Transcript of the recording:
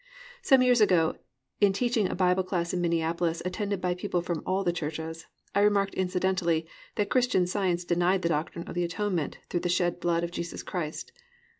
Some years ago in teaching a Bible class in Minneapolis, attended by people from all the churches, I remarked incidentally that Christian Science denied the doctrine of the Atonement through the shed blood of Jesus Christ.